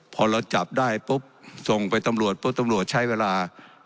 พอเราจับได้ปุ๊บส่งไปตำรวจปุ๊บตำรวจใช้เวลา